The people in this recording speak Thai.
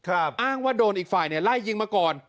อ้างว่าโดนอีกฝ่ายไล่ยิงมาก่อน